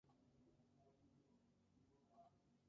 La canción trata sobre el fin de una amistad.